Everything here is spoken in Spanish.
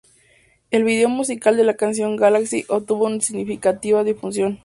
El video musical de la canción "Galaxy" obtuvo una significativa difusión.